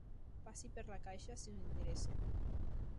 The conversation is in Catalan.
Passi per la caixa, si us interessa.